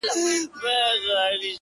• ماته راوړه په ګېډیو کي رنګونه ,